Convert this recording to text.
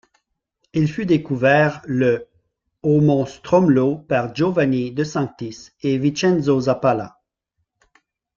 Il fut découvert le au Mont Stromlo par Giovanni de Sanctis et Vincenzo Zappalà.